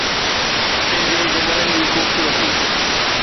هتي جي جنگلن جي خوبصورتي